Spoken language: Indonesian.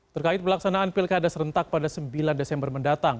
terkait pelaksanaan pilkada serentak pada sembilan desember mendatang